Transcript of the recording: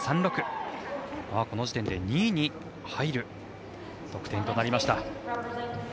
この時点で２位に入る得点となりました。